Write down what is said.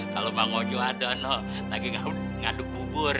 kalo bang ojo ada noh lagi ngaduk bubur